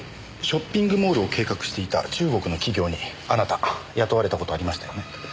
ショッピングモールを計画していた中国の企業にあなた雇われた事ありましたよね。